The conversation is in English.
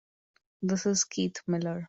This is Keith Miller.